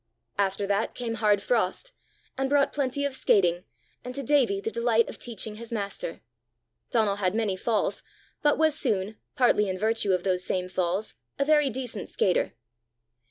After that came hard frost, and brought plenty of skating, and to Davie the delight of teaching his master. Donal had many falls, but was soon, partly in virtue of those same falls, a very decent skater.